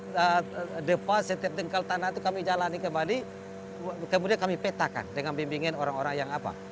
di depan setiap jengkal tanah itu kami jalani kembali kemudian kami petakan dengan bimbingan orang orang yang apa